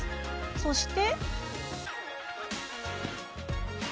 そして。